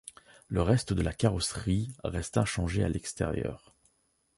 Le reste de la carrosserie reste inchangé à l'extérieur.